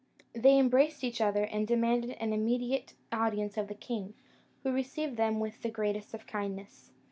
They embraced each other, and demanded an immediate audience of the king, who received them with the greatest of kindness.